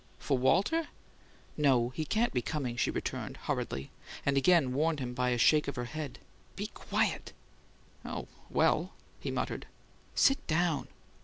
For Walter?" "No; he can't be coming," she returned, hurriedly, and again warned him by a shake of her head. "Be quiet!" "Oh, well " he muttered. "Sit down!"